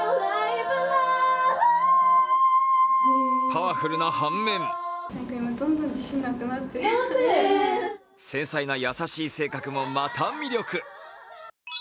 パワフルな反面繊細な優しい性格もまた魅力。